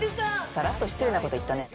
さらっと失礼なこと言ったね。